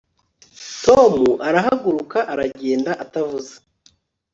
tom arahaguruka aragenda atavuze